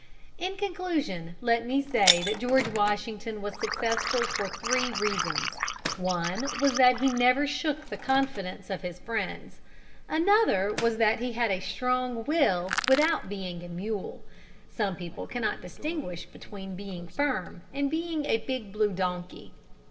In conclusion, let me say that George Washington was successful for three reasons. One was that he never shook the confidence of his friends. Another was that he had a strong will without being a mule. Some people cannot distinguish between being firm and being a big blue donkey.